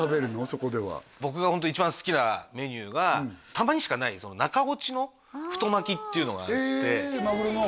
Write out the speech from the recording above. そこでは僕がホント一番好きなメニューはたまにしかない中落ちの太巻きっていうのがあってへえマグロの？